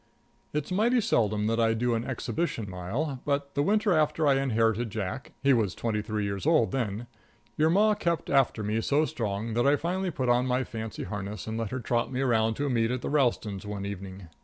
It's mighty seldom that I do an exhibition mile, but the winter after I inherited Jack he was twenty three years old then your Ma kept after me so strong that I finally put on my fancy harness and let her trot me around to a meet at the Ralstons one evening.